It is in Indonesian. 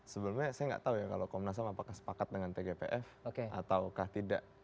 sebelumnya saya nggak tahu ya kalau komnas ham apakah sepakat dengan tgpf ataukah tidak